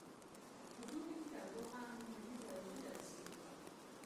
په دوبي کې تودوخه نوي درجو ته رسیږي